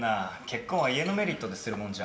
結婚は家のメリットでするもんじゃん？